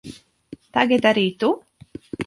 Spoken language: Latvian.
Tagad arī tu?